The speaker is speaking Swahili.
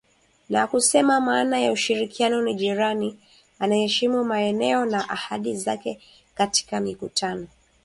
Na kusema maana ya ushirikiano na jirani anayeheshimu maneno na ahadi zake katika mikutano kadhaa ambayo imefanyika